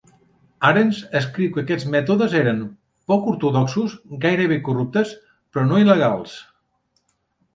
Ahrens escriu que aquests mètodes eres "poc ortodoxos, gairebé corruptes", però no il·legals.